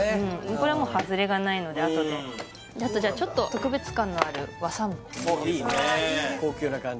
これはもう外れがないのであとであとじゃちょっと特別感のあるいいね高級な感じ